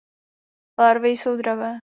Larvy jsou dravé.